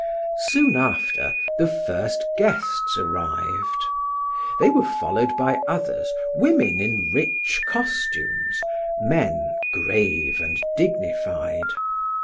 Soon after, the first guests arrived; they were followed by others, women in rich costumes, men, grave and dignified.